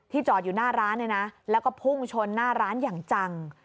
จอดอยู่หน้าร้านเนี่ยนะแล้วก็พุ่งชนหน้าร้านอย่างจัง